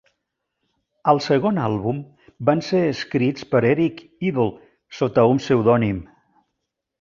Al segon àlbum van ser escrits per Eric Idle sota un pseudònim.